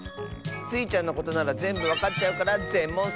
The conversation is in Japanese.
スイちゃんのことならぜんぶわかっちゃうからぜん